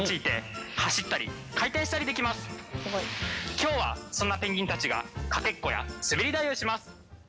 今日はそんなペンギンたちがかけっこや滑り台をします。